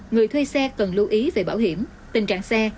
người thuê xe cần lưu ý về bảo hiểm tình trạng xe